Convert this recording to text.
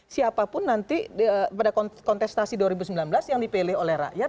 siapapun nanti pada kontestasi dua ribu sembilan belas yang dipilih oleh rakyat